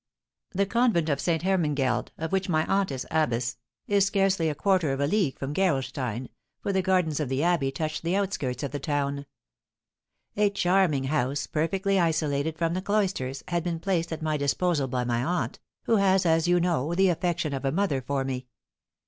The convent of Ste. Hermangeld, of which my aunt is abbess, is scarcely a quarter of a league from Gerolstein, for the gardens of the abbey touch the outskirts of the town. A charming house, perfectly isolated from the cloisters, had been placed at my disposal by my aunt, who has, as you know, the affection of a mother for me.